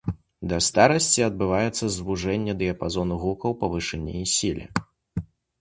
Да старасці адбываецца звужэнне дыяпазону гукаў па вышыні і сіле.